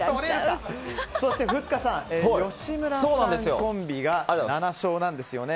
そしてふっかさん・吉村さんコンビが７勝なんですよね。